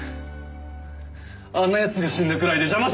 あんな奴が死んだくらいで邪魔されたくない！